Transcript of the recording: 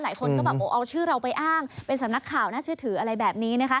หลายคนก็แบบเอาชื่อเราไปอ้างเป็นสำนักข่าวน่าเชื่อถืออะไรแบบนี้นะคะ